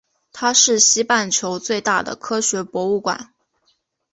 它是西半球最大的科学博物馆。